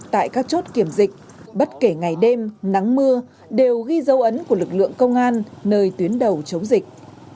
tại các chốt kiểm dịch bất kể ngày đêm nắng mưa đều ghi dấu ấn của lực lượng công an nơi tuyến đầu chống dịch